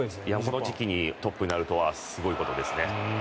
この時期にトップになるとはすごいことですね。